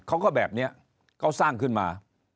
เขาก็แบบนี้เขาสร้างขึ้นมา